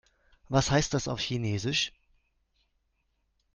Was heißt das auf Chinesisch?